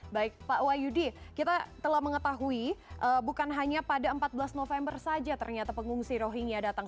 baik pak wahyudi kita telah mengetahui bukan hanya pada empat belas november saja ternyata pengungsi rohingya datang